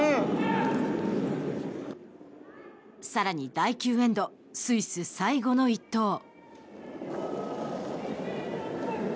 さらに第９エンドスイス最後の１投。